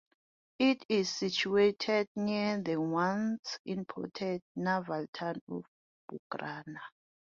It is situated near the once important naval town of Buncrana.